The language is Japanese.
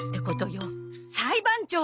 裁判長！